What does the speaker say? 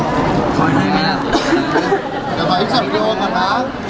จะไปที่สำโยชน์กันนะ